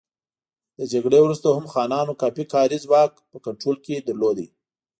له جګړې وروسته هم خانانو کافي کاري ځواک په کنټرول کې لاره.